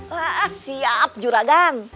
wah siap juragan